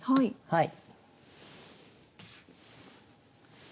はい。